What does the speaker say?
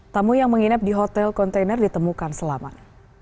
tamu yang menginap di hotel kontainer ditemukan selamat